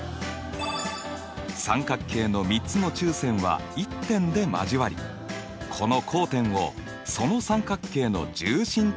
三角形の３つの中線は１点で交わりこの交点をその三角形の重心という。